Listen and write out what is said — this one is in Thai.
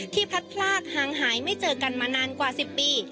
พลัดพลากห่างหายไม่เจอกันมานานกว่า๑๐ปี